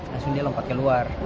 langsung dia lompat ke luar